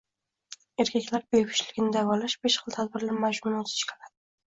Erkaklar bepushtligini davolash besh xil tadbirlar majmuini o‘z ichiga oladi.